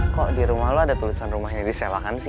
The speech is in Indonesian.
kok di rumah lo ada tulisan rumahnya disewakan sih